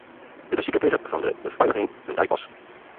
De besiker kriget fan de befeiliging in deipas.